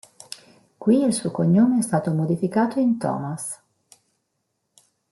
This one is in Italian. Qui il suo cognome è stato modificato in Thomas.